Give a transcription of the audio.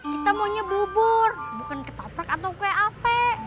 kita maunya bubur bukan ketoprak atau kap